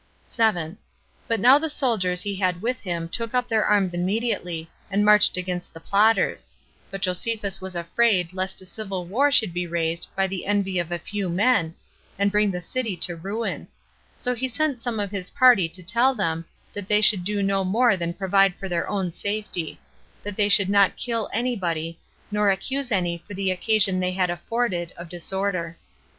7. But now the soldiers he had with him took up their arms immediately, and marched against the plotters; but Josephus was afraid lest a civil war should be raised by the envy of a few men, and bring the city to ruin; so he sent some of his party to tell them, that they should do no more than provide for their own safety; that they should not kill any body, nor accuse any for the occasion they had afforded [of disorder].